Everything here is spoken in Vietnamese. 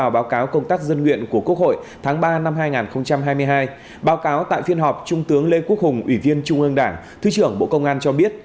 báo cáo tại phiên họp trung tướng lê quốc hùng ủy viên trung ương đảng thứ trưởng bộ công an cho biết